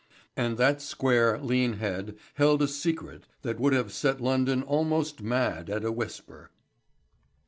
And that square, lean head held a secret that would have set London almost mad at a whisper.